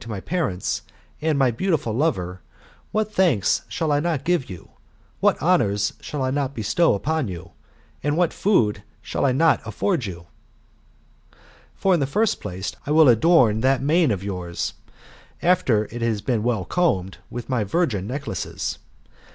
\ tOd TfiB larrAlCORPHOSM, OR my parents and my beautiful lover, what thanks shall I not give you, what honours shall I not bestow upon you, and what food shall I not afford you ? For, in the first place, I will adorn that mane of yours, after it has been well combed, with my virgin necklaces.